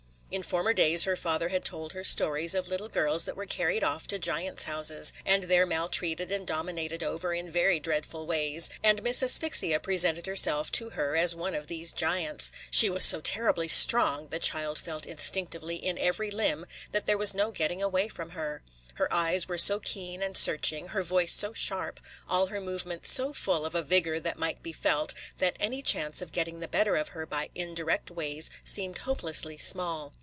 In former days her father had told her stories of little girls that were carried off to giants' houses, and there maltreated and dominated over in very dreadful ways; and Miss Asphyxia presented herself to her as one of these giants. She was so terribly strong, the child felt instinctively, in every limb, that there was no getting away from her. Her eyes were so keen and searching, her voice so sharp, all her movements so full of a vigor that might be felt, that any chance of getting the better of her by indirect ways seemed hopelessly small.